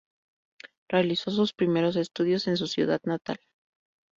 Realizó sus primeros estudios en su ciudad natal.